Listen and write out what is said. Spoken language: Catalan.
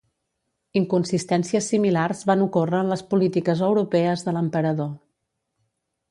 Inconsistències similars van ocórrer en les polítiques europees de l'emperador.